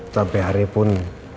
sampai hari pun